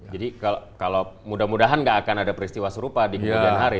jadi kalau mudah mudahan gak akan ada peristiwa serupa di kemudian hari